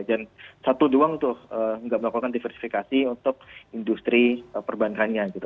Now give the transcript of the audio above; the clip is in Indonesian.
dan satu doang untuk tidak melakukan diversifikasi untuk industri perbankannya gitu